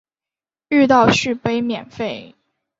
遇到续杯免费